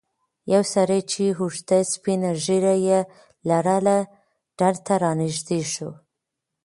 یو سړی چې اوږده سپینه ږیره یې لرله ډنډ ته رانږدې شو.